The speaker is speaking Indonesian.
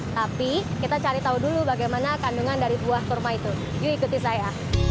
tapi kita cari tahu dulu bagaimana kandungan dari buah kurma itu yuk ikuti saya